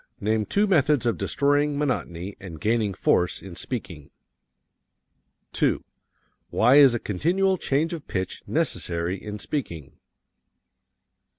Name two methods of destroying monotony and gaining force in speaking. 2. Why is a continual change of pitch necessary in speaking?